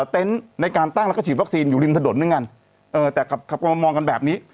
เต็นต์ในการตั้งแล้วก็ฉีดวัคซีนอยู่ริมทะดดนึงอ่ะเออแต่ขับขับมามองกันแบบนี้